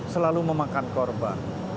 selalu memakan korban